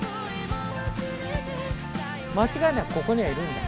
まちがいなくここにはいるんだ。